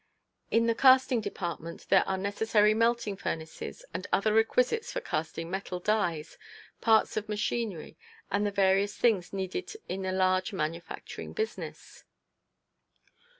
In the casting department are the necessary melting furnaces and other requisites for casting metal "dies," parts of machinery, and the various things needed in a large manufacturing business.